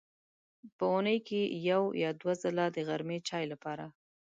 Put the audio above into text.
په اوونۍ کې یو یا دوه ځله د غرمې چای لپاره.